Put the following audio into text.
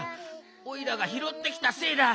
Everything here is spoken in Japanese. おいらがひろってきたせいだ。